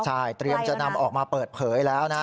ใช่เตรียมจะนำออกมาเปิดเผยแล้วนะ